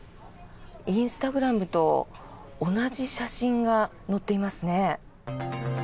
インスタグラムと同じ写真が載っていますね。